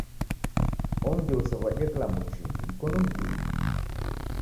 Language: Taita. Ongia usew'adie kilambo chingi, mikonu miduu.